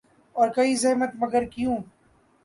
اور کہیں زحمت ، مگر کیوں ۔